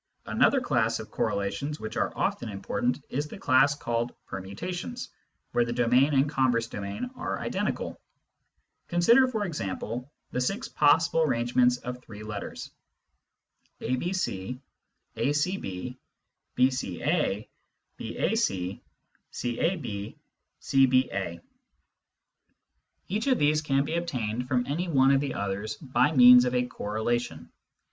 Another class of correlations which are often important is the class called " permutations," where the domain and converse domain are identical. Consider, for example, the six possible arrangements of three letters : a, b, c a, c, b b, c, a b, a, c c, a, b c, b, a Kinds of Relations 51 Each of these can be obtained from any one of the others by means of a correlation.